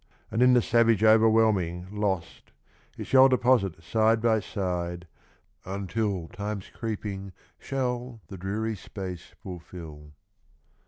^.nd in the savage overv^hclming lost, He shall deposit side by side, until Time's creeping shall the dreary space fulfil.